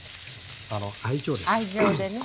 愛情でね。